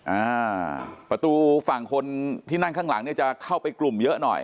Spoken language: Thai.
อ่าประตูฝั่งคนที่นั่งข้างหลังเนี่ยจะเข้าไปกลุ่มเยอะหน่อย